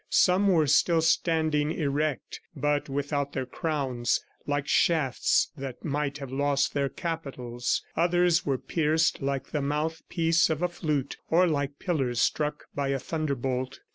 Some were still standing erect, but without their crowns, like shafts that might have lost their capitals; others were pierced like the mouthpiece of a flute, or like pillars struck by a thunderbolt.